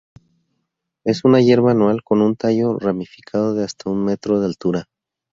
Es una hierba anual con un tallo ramificado de hasta un metro de altura.